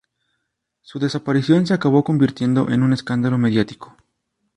Su desaparición se acabó convirtiendo en un escándalo mediático.